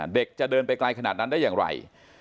เด็กจะเดินไปไกลขนาดนั้นได้อย่างไร